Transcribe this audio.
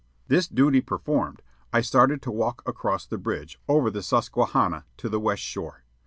This duty performed, I started to walk across the bridge over the Susquehanna to the west shore.